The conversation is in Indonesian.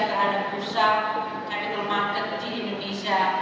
terhadap perusahaan capital market di indonesia